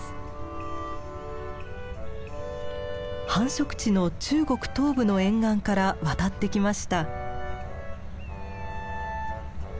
繁殖地の中国東部の沿岸から渡ってきました。